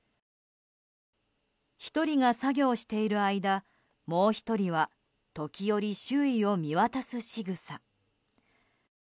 １人が作業している間もう１人は時折周囲を見渡すしぐさ。